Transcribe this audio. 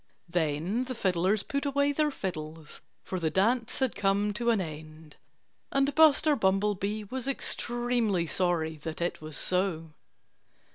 Then the fiddlers put away their fiddles; for the dance had come to an end. And Buster Bumblebee was extremely sorry that it was so.